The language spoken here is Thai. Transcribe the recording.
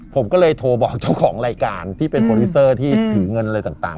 ผมก็เลยโทรบอกเจ้าของรายการที่เป็นโปรดิวเซอร์ที่ถือเงินอะไรต่าง